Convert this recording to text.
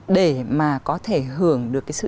để mà có thể hưởng được cái sự